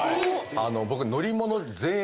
僕。